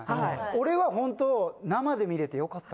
俺はホント生で見れてよかった。